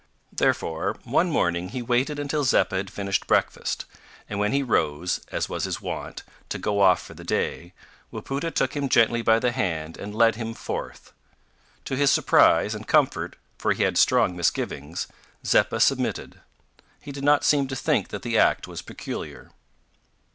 Therefore one morning he waited until Zeppa had finished breakfast, and when he rose, as was his wont, to go off for the day, Wapoota took him gently by the hand and led him forth. To his surprise and comfort, for he had had strong misgivings Zeppa submitted. He did not seem to think that the act was peculiar.